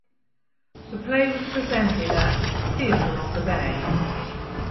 The play was presented at Theatre on the Bay.